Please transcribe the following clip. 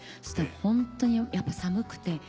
そしたらホントにやっぱ寒くて。